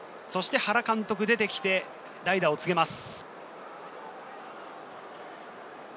そして原監督が出てきて、代打を告げます。